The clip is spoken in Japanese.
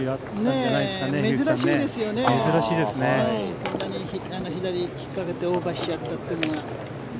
こんなに左に引っかけてオーバーしちゃったというのは。